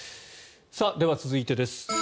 では、続いてです。